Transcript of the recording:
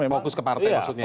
fokus ke partai maksudnya ya